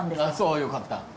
あっそうよかった。